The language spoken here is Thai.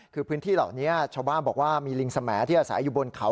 คือพื้นที่เหล่านี้ชาวบ้านบอกว่ามีลิงสมที่อาศัยอยู่บนเขา